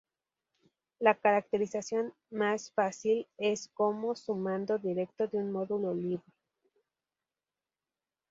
La caracterización más fácil es como "sumando directo" de un módulo libre.